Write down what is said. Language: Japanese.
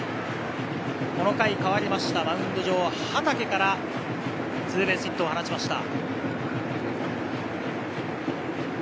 この回、代わったマウンド上は畠からツーベースヒットを放ちました。